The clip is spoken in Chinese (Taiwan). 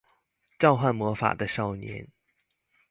召喚魔法的少年